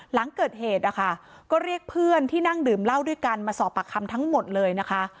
หลังเกิดเหตุนะคะก็เรียกเพื่อนที่นั่งดื่มเหล้าด้วยกันมาสอบปากคำทั้งหมดเลยนะคะ